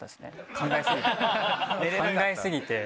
考え過ぎて。